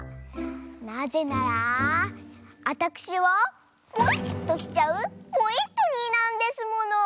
なぜならあたくしはポイっとしちゃうポイットニーなんですもの！